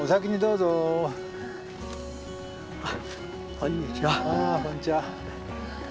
こんにちは。